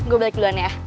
gue balik duluan ya